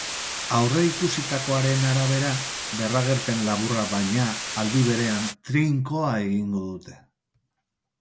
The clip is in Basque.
Aurreikusitakoaren arabera, berragerpen laburra baina, aldi berean, trinkoa egingo dute.